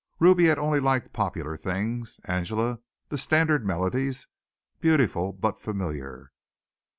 Ruby had only liked popular things; Angela the standard melodies beautiful but familiar.